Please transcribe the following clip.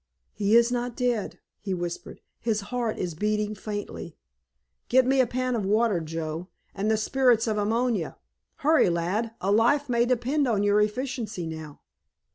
"He is not dead," he whispered, "his heart is beating faintly. Get me a pan of water, Joe, and the spirits of ammonia. Hurry, lad, a life may depend on our efficiency now!"